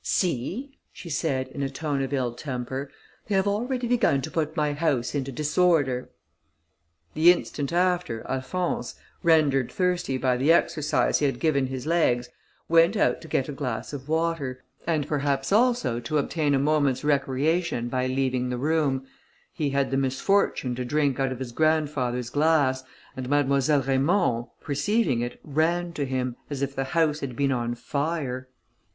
"See," she said, in a tone of ill temper, "they have already begun to put my house into disorder." The instant after, Alphonse, rendered thirsty by the exercise he had given his legs, went out to get a glass of water, and perhaps also to obtain a moment's recreation by leaving the room; he had the misfortune to drink out of his grandfather's glass, and Mademoiselle Raymond, perceiving it, ran to him, as if the house had been on fire.